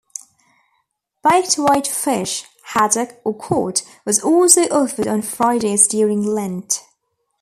Baked white fish, haddock or cod, was also offered on Fridays during Lent.